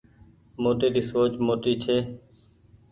موٽي ري سوچ موٽي ڇي